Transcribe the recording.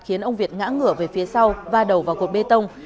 khiến ông việt ngã ngửa về phía sau va đầu vào cột bê tông